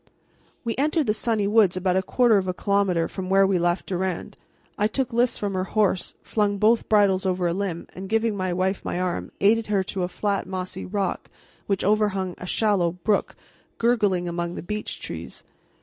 We entered the sunny woods about a quarter of a kilometer from where we left Durand. I took Lys from her horse, flung both bridles over a limb, and, giving my wife my arm, aided her to a flat mossy rock which overhung a shallow brook gurgling among the beech trees.